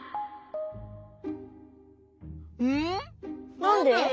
なんで？